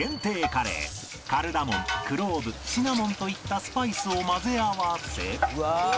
カルダモンクローブシナモンといったスパイスを混ぜ合わせ